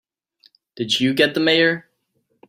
Did you get the Mayor?